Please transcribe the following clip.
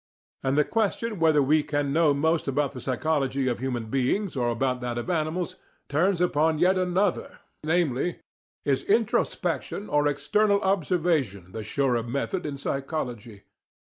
And the question whether we can know most about the psychology of human beings or about that of animals turns upon yet another, namely: Is introspection or external observation the surer method in psychology?